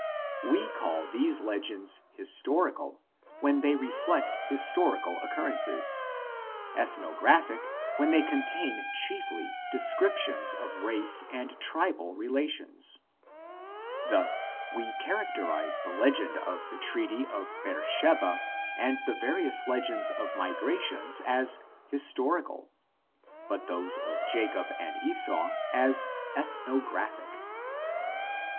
We call these legends "historical" when they reflect historical occurrences, "ethnographic" when they contain chiefly descriptions of race and tribal relations. Thus we characterise the legend of the treaty of Beersheba and the various legends of migrations as "historical," but those of Jacob and Esau as "ethnographic."